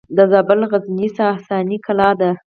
د زابل غزنیې ساساني کلا ده